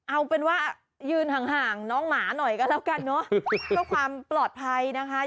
เอาเป็นว่ายืนห่างน้องหมาหน่อยก็แล้วกันเนอะเพื่อความปลอดภัยนะคะ